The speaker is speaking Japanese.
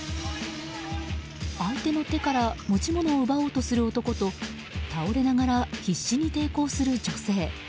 相手の手から持ち物を奪おうとする男と倒れながら必死に抵抗する女性。